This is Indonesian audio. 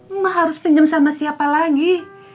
emak harus pinjam sama siapa lagi